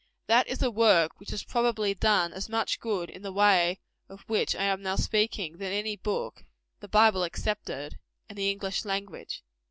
That is a work which has probably done as much good in the way of which I am now speaking, as any book the Bible excepted in the English language.